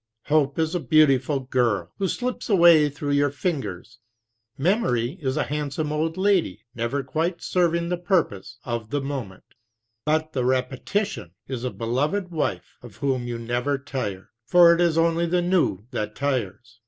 Hope is a beautiful girl who slips away through your fingers; memory is a handsome old lady, never quite serving the purpose of the moment; but the repetition is a beloved wife of whom you never tire, for it is only the new that tires.